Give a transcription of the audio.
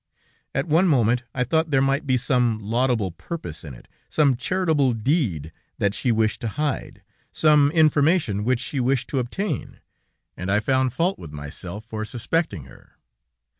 At one moment, I thought there might be some laudable purpose in it, some charitable deed that she wished to hide, some information which she wished to obtain, and I found fault with myself for suspecting her.